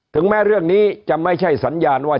ถึงแม้เรื่องนี้จะไม่ใช่สัญญาณว่า